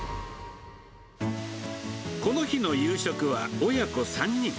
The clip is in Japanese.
この日の夕食は、親子３人。